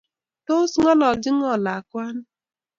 Tos kongolchi ngo lakwani